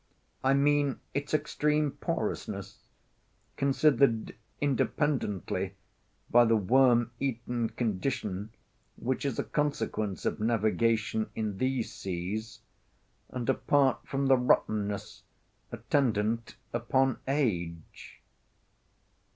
I mean its extreme porousness, considered independently by the worm eaten condition which is a consequence of navigation in these seas, and apart from the rottenness attendant upon age.